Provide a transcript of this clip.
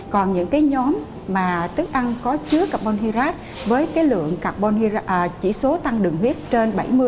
còn những nhóm thức ăn có carbon hydrate với lực chỉ số tăng đường huyết trên bảy mươi